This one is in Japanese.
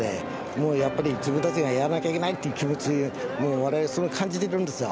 もうやっぱり「自分たちがやらなきゃいけない」という気持ちを我々はすごく感じているんですよ。